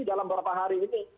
dalam beberapa hari ini